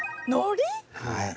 はい。